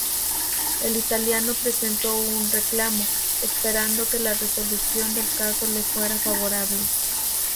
El italiano presentó un reclamo, esperando que la resolución del caso le fuera favorable.